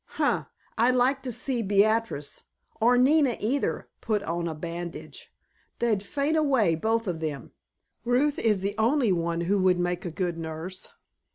"Huh! I'd like to see Beatrice—or Nina either—put on a bandage! They'd faint away, both of 'em. Ruth is the only one who would make a good nurse.